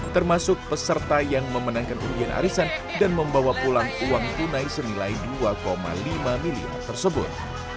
termasuk peserta yang memenangkan ujian arisan dan membawa pulang uang tunai senilai dua lima miliar tersebut